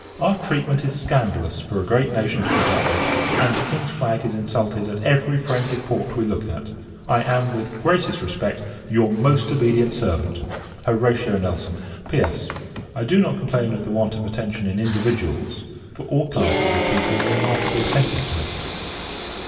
Our treatment is scandalous, for a great nation to put up with; and the King's flag is insulted at every friendly port we look at. I am, with the greatest respect, your most obedient servant, HORATIO NELSON. P.S. I do not complain of the want of attention in individuals, for all classes of people are remarkably attentive to us.